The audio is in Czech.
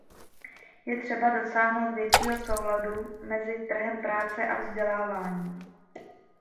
Je třeba dosáhnout většího souladu mezi trhem práce a vzděláváním.